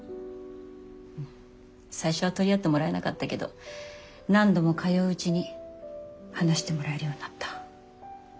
最初は取り合ってもらえなかったけど何度も通ううちに話してもらえるようになった。